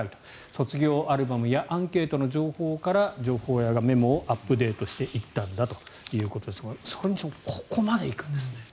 卒業アルバムやアンケートの情報から情報屋がメモをアップデートしていったんだということですがそれにしてもここまで行くんですね。